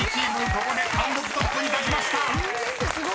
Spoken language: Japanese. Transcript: ここで単独トップに立ちました］